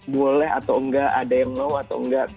boleh atau nggak ada yang mau atau nggak